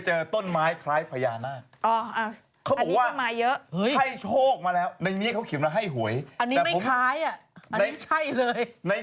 อ้อเธออ่อนของฉันฉันเรียกเธอว่าเฮียได้ไง